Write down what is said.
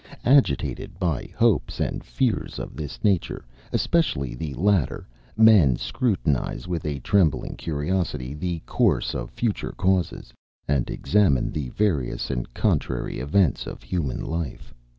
Agitated by hopes and fears of this nature, especially the latter, men scrutinize, with a trembling curiosity, the course of future causes, and examine the various and contrary events of human life.